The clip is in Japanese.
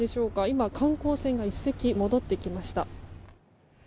今、観光船が１隻、戻ってきました。